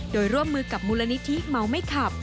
โดยร่วมมือกับมูลนิธิเมาไม่ขับ